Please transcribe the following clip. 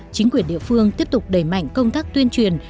chính quyền địa phương tiếp tục đẩy mạnh công tác tuyên truyền